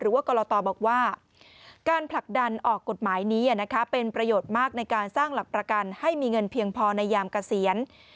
กรตบอกว่าการผลักดันออกกฎหมายนี้เป็นประโยชน์มากในการสร้างหลักประกันให้มีเงินเพียงพอในยามเกษียณ